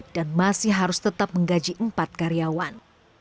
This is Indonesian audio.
dan masih harus tetap menggaji empat karyawan